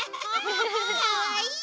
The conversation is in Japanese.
かわいい。